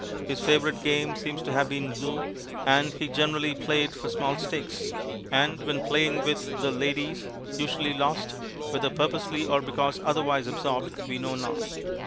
His favorite game seems to have been "Loo"; and he generally played for small stakes, and when playing with "the Ladys" usually lost, whether purposely or because otherwise absorbed, we know not.